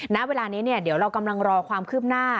ณเวลานี้เดี๋ยวเรากำลังรอความคืบหน้า